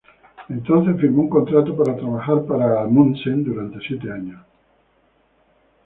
Entonces, firmó un contrato para trabajar para Amundsen durante siete años.